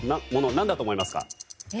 何だと思いますか？